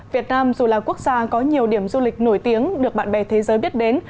việt nam dù là quốc gia có nhiều điểm du lịch nổi tiếng được bạn bè thế giới biết đến